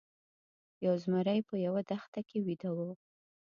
یو زمری په یوه دښته کې ویده و.